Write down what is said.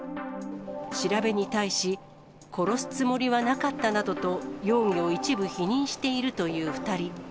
調べに対し、殺すつもりはなかったなどと容疑を一部否認しているという２人。